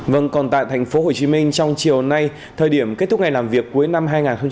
vâng còn tại tp hcm trong chiều nay thời điểm kết thúc ngày làm việc cuối năm hai nghìn hai mươi